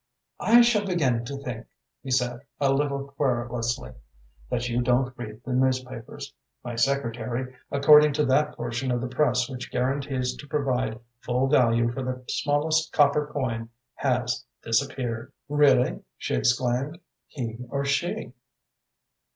"I shall begin to think," he said, a little querulously, "that you don't read the newspapers. My secretary, according to that portion of the Press which guarantees to provide full value for the smallest copper coin, has 'disappeared'." "Really?" she exclaimed. "He or she?"